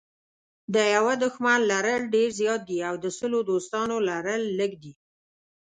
د یوه دښمن لرل ډېر زیات دي او د سلو دوستانو لرل لږ دي.